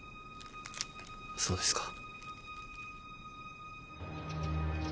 そうですか。